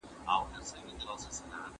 دا سندري پردۍ نه دي حال مي خپل درته لیکمه